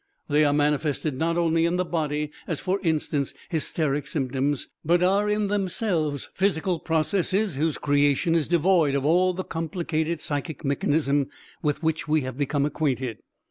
They are manifested not only in the body, as for instance hysteric symptoms, but are in themselves physical processes whose creation is devoid of all the complicated psychic mechanism with which we have become acquainted.